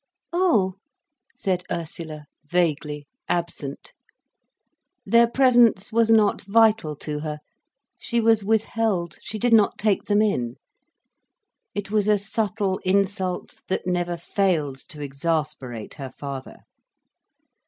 "Oh," said Ursula, vaguely, absent. Their presence was not vital to her, she was withheld, she did not take them in. It was a subtle insult that never failed to exasperate her father.